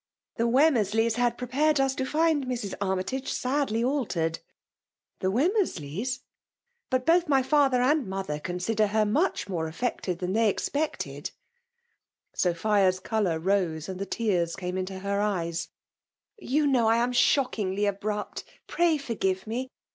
''Tlie Wemmenleys had prepared ns to find lira Aimytage sadlj altered" The Wenunersleys !*' But both my father and mother consider h^^much more afEscted than they expected*' SopMa*8 eokmr rose^ and the tears came into her eyes/ " You know I am shockingly abrupt. Play forgiire me!